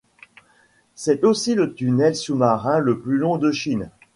C'est aussi le tunnel sous-marin le plus long de Chine.